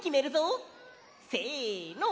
せの！